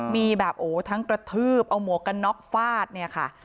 มีแบบโอ้ทั้งกระทืบเอาหมวกกันน็อกฟาดเนี่ยค่ะ